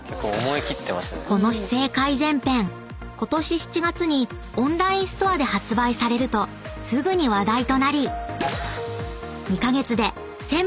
［この姿勢改善ペンことし７月にオンラインストアで発売されるとすぐに話題となり］